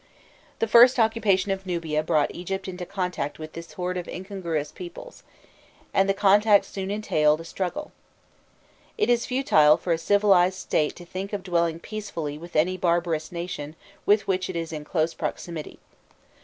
The occupation of Nubia brought Egypt into contact with this horde of incongruous peoples, and the contact soon entailed a struggle. It is futile for a civilized state to think of dwelling peacefully with any barbarous nation with which it is in close proximity.